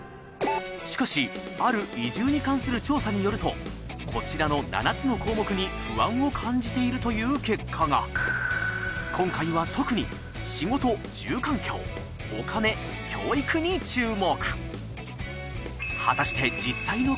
しかしある移住に関する調査によるとこちらの７つの項目に不安を感じているという結果が今回は特に仕事住環境お金教育に注目果たして